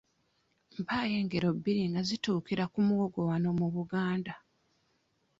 Mpaayo engero bbiri nga zituukira ku muwogo wano mu Buganda?